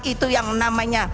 itu yang namanya